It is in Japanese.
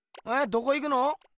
どこ行くの？